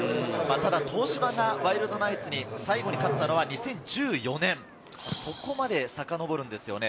ただ東芝がワイルドナイツに最後に勝ったのは２０１４年、そこまで、さかのぼるんですよね。